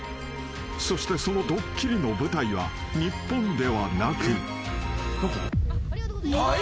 ［そしてそのドッキリの舞台は日本ではなく］